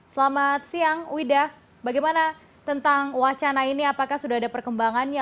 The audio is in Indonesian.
selamat siang wida bagaimana tentang wacana ini apakah sudah ada perkembangannya